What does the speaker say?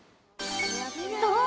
そう！